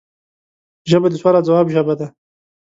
ژبه د سوال او ځواب ژبه ده